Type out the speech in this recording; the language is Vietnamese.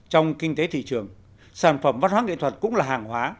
trong kinh tế thị trường sản phẩm văn hóa nghệ thuật cũng là hàng hóa